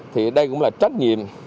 thì đây cũng là trách nhiệm